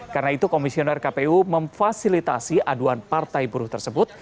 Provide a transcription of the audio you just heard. karena itu komisioner kpu memfasilitasi aduan partai buruh tersebut